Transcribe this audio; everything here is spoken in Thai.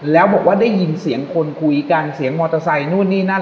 แล้วบอกว่าได้ยินเสียงคนคุยกันเสียงมอเตอร์ไซค์นู่นนี่นั่น